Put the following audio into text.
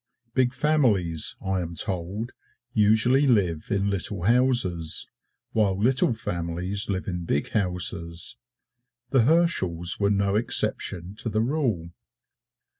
Big families, I am told, usually live in little houses, while little families live in big houses. The Herschels were no exception to the rule.